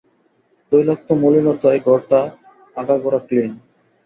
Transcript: তৈলাক্ত মলিনতায় ঘরটা আগাগোড়া ক্লিন্ন।